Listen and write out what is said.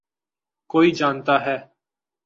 کوئی جانتا ہے۔